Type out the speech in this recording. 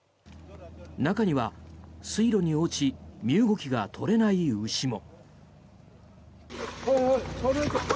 中には水路に落ち身動きが取れない牛も。